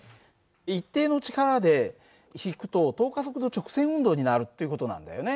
一定の力で引くと等加速度直線運動になるっていう事なんだよね。